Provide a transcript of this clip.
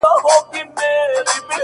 ځمه له روحه مي بدن د گلبدن را باسم”